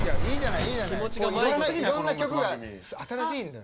いろんな曲が新しいんだよ。